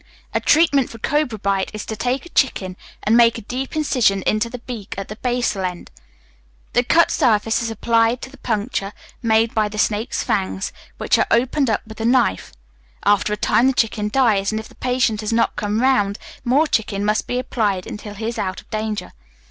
A treatment for cobra bite is to take a chicken, and make a deep incision into the beak at the basal end. The cut surface is applied to the puncture made by the snake's fangs, which are opened up with a knife. After a time the chicken dies, and, if the patient has not come round, more chicken must be applied until he is out of danger.